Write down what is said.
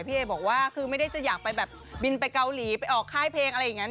เอบอกว่าคือไม่ได้จะอยากไปแบบบินไปเกาหลีไปออกค่ายเพลงอะไรอย่างนี้